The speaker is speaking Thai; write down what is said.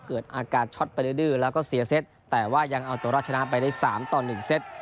เกิดอาการช็อตไปดื้อแล้วก็เสียเซตแต่ว่ายังเอาตัวรอดชนะไปได้๓ต่อ๑เซต